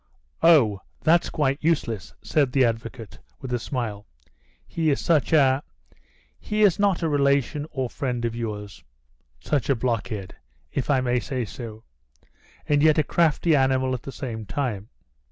"Oh, that's quite useless," said the advocate, with a smile. "He is such a he is not a relation or friend of yours? such a blockhead, if I may say so, and yet a crafty animal at the same time."